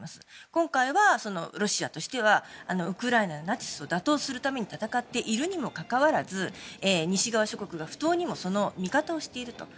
今回はロシアとしてはウクライナのナチスドイツを打倒するために戦っているにもかかわらず西側諸国が不当にもその味方をしていると。